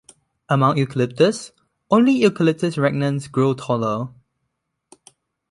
Among eucalypts, only "Eucalyptus regnans" grows taller.